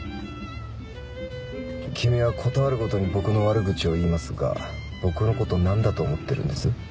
君は事あるごとに僕の悪口を言いますが僕のこと何だと思ってるんです？